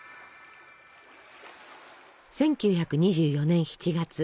１９２４年７月。